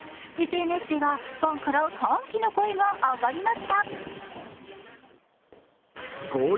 ＳＮＳではファンから歓喜の声が上がりました。